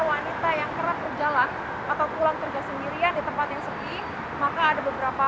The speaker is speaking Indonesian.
wanita yang kerap berjalan atau pulang kerja sendirian di tempat yang sepi maka ada beberapa